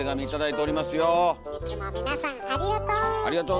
いつも皆さんありがと！